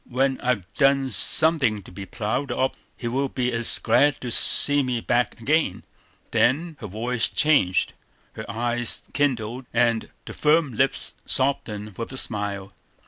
When I've done something to be proud of, he will be as glad to see me back again." Then her voice changed, her eyes kindled, and the firm lips softened with a smile.